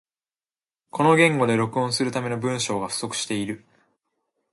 この言語で録音するための文章が不足している